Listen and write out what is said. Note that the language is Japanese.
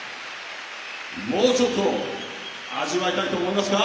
もうちょっと味わいたいと思いますか！